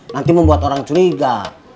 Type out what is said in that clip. nanti membuat orang curiga